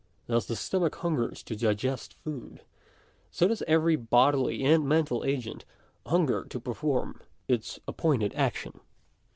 As the stomach hungers to digest food, so does every bodily and mental agent hunger to perform its appointed ac tion.